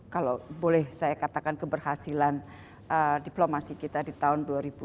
kalau boleh saya katakan keberhasilan diplomasi kita di tahun dua ribu dua puluh